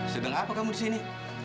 sedang apa kamu di sini